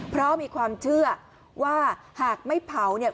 เพราะมีความเชื่อว่าหากไม่เผาเนี่ย